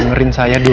dengerin saya dulu